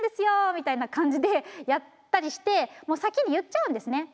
みたいな感じでやったりしてもう先に言っちゃうんですね。